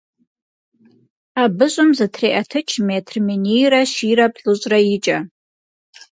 Абы щӀым зытреӀэтыкӀ метр минийрэ щийрэ плӀыщӀрэ икӀэ.